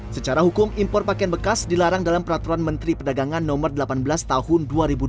secara hukum impor pakaian bekas dilarang dalam peraturan menteri perdagangan no delapan belas tahun dua ribu dua puluh